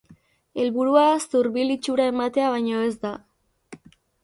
Helburua zurbil itxura ematea baino ezta.